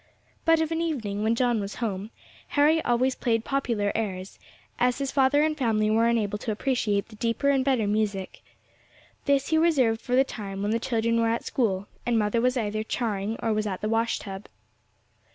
But of an evening, when John was at home, Harry always played popular airs, as his father and family were unable to appreciate the deeper and better music. This he reserved for the time when the children were at school, and mother was either charring or was at the wash tub.